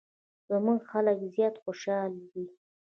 زموږ خلک زیات خوشحال وي.